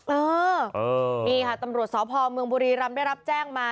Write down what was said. เออนี่ค่ะตำรวจสพเมืองบุรีรำได้รับแจ้งมา